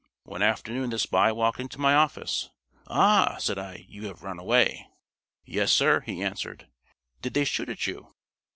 One afternoon the spy walked into my office. "Ah!" said I, "you have run away." "Yes, sir," he answered. "Did they shoot at you?"